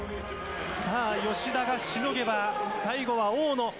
芳田がしのげば最後は大野。